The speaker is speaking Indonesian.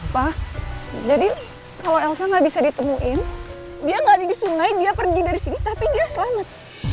pak jadi kalau elsa nggak bisa ditemuin dia nggak ada di sungai dia pergi dari sini tapi dia selamat